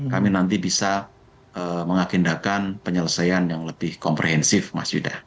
kami nanti bisa mengagendakan penyelesaian yang lebih komprehensif mas yuda